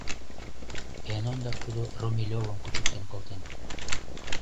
Эн ондак тудо Румелёвым кучыктен колтен.